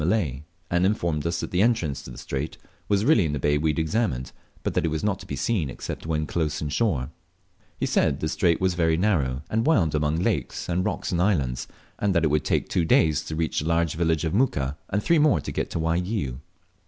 Malay, and informed us that the entrance to the strait was really in the bay we had examined, but that it was not to be seen except when close inshore. He said the strait was often very narrow, and wound among lakes and rocks and islands, and that it would take two days to reach the large village of Muka, and three more to get to Waigiou.